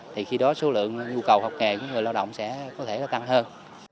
thì khi đó số lượng nhu cầu học nghề của người lao động sẽ có thể tăng hơn